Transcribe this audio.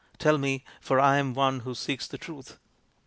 Tell me, for I am one who seeks the Truth."